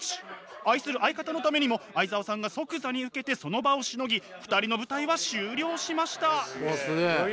愛する相方のためにも相澤さんが即座に受けてその場をしのぎ２人の舞台は終了しました。